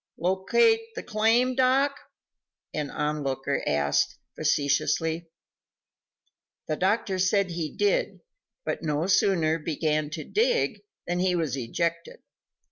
"Locate the claim, Doc?" an on looker asked, facetiously. The doctor said he did, but no sooner began to dig than he was ejected.